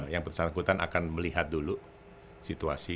yang bersangkutan akan melihat dulu situasi